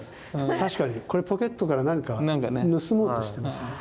確かにこれポケットから何か盗もうとしてますね。